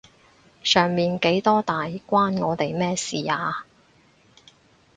上面幾多大關我哋乜事啊？